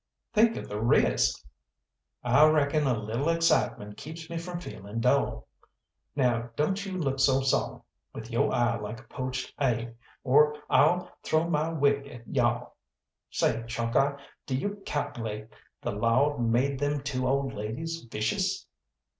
"Think of the risk!" "I reckon a little excitement keeps me from feelin' dull. Now don't you look so solemn with yo' eye like a poached aig, or I'll throw my wig at you all. Say, Chalkeye, d'you cal'late the Lawd made them two old ladies vicious?"